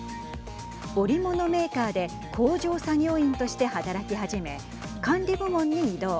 織物メーカーで工場作業員として働き始め管理部門に異動。